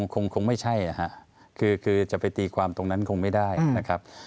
คงไม่ใช่คือจะไปตีความตรงนั้นคงไม่ได้นะครับ